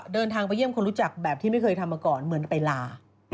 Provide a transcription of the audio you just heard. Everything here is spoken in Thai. เดินทางไปเยี่ยมคนรู้จักแบบที่ไม่เคยทำมาก่อนเหมือนไปลา